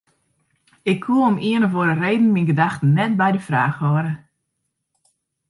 Ik koe om ien of oare reden myn gedachten net by de fraach hâlde.